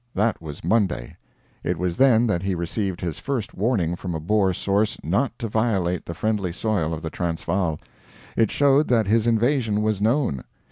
That was Monday; it was then that he received his first warning from a Boer source not to violate the friendly soil of the Transvaal. It showed that his invasion was known.